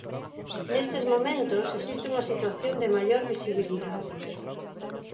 Nestes momentos existe unha situación de maior visibilidade.